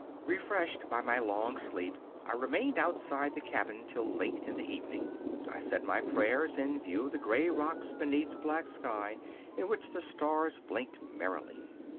Refreshed by my long sleep, I remained outside the cabin till late in the evening. I said my prayers in view of the gray rocks beneath the black sky, in which the stars blinked merrily.